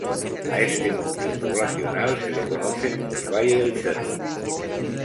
A este núcleo poblacional se le conoce como el Valle del Cerro.